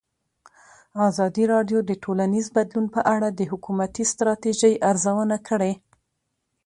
ازادي راډیو د ټولنیز بدلون په اړه د حکومتي ستراتیژۍ ارزونه کړې.